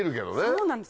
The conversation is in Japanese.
そうなんです。